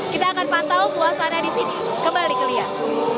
kita akan pantau suasana di sini kembali ke liang